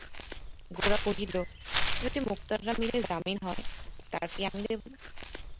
গোরা কহিল, যদি মোক্তাররা মিলে জামিন হয় তার ফী আমি দেব।